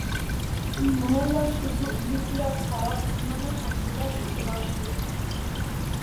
এই মহল্লা শুধু ইহুদিরা ছাড়াও অন্যান্য সম্প্রদায় বসবাস করত।